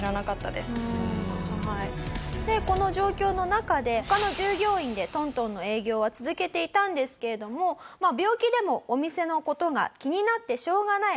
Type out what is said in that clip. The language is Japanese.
でこの状況の中で他の従業員で東東の営業は続けていたんですけれども病気でもお店の事が気になってしょうがない